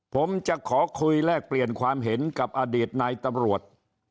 ผมจะขอคุยแลกเปลี่ยนความเห็นกับอดีตนายตำรวจ